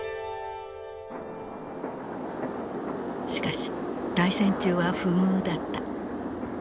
しかし大戦中は不遇だった。